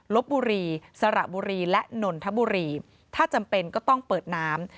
ลบบุรีสระบุรีและนนทบุรีถ้าจำเป็นก็ต้องเปิดน้ำ